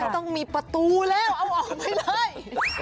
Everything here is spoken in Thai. ต้องมีประตูแล้วเอาออกไปเลย